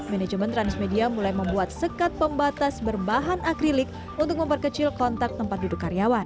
manajemen transmedia mulai membuat sekat pembatas berbahan akrilik untuk memperkecil kontak tempat duduk karyawan